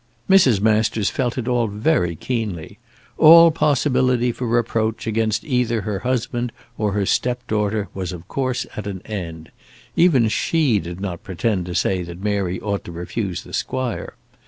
Mrs. Masters felt it all very keenly. All possibility for reproach against either her husband or her step daughter was of course at an end. Even she did not pretend to say that Mary ought to refuse the squire.